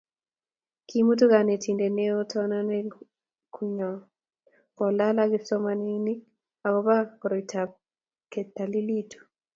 kimutu konetinte neoo tonte kunyo kulalal ak kipsomaninik akobo kororointab ketalilitu